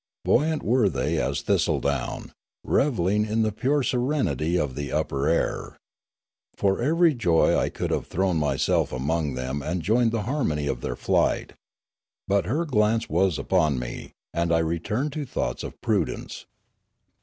Buoyant were they as thistle down, revelling in the pure serenity of the upper air. For very joy I could have thrown myself among them and joined the harmony of their flight; but her glance was upon me, and I returned to thoughts of prudence.